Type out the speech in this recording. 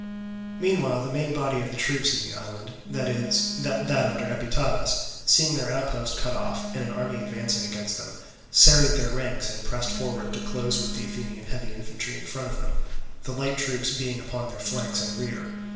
Meanwhile the main body of the troops in the island (that under Epitadas), seeing their outpost cut off and an army advancing against them, serried their ranks and pressed forward to close with the Athenian heavy infantry in front of them, the light troops being upon their flanks and rear.